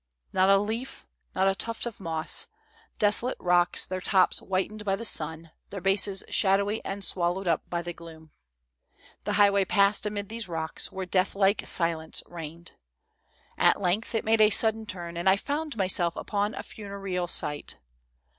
''Not a leaf, not a tuft of moss ; desolate rocks, their tops whitened by the sun, their bases shadowy and swallowed up by the gloom. The highway passed amid these rocks, where deathlike silence reigned. "At length, it made a sudden turn, and I found myself upon a funereal site.